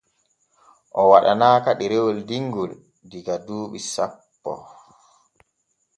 O waɗanaaka ɗerewol dimgil illa duuɓi sappo.